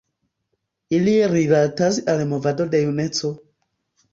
Ili rilatas al movado de juneco.